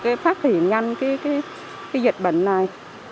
để sớm được phát thủy ngăn cái dịch bệnh này